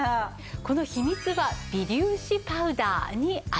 この秘密は微粒子パウダーにあります。